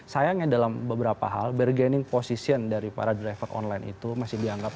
sayangnya dalam beberapa hal bergening position dari para driver online itu masih dianggap